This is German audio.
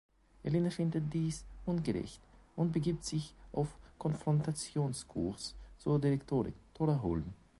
Elina findet dies ungerecht und begibt sich auf Konfrontationskurs zur Direktorin, Tora Holm.